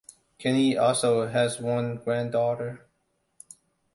Kenny also has one granddaughter.